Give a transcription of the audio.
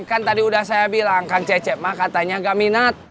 kan tadi udah saya bilang kang cecep mah katanya gak minat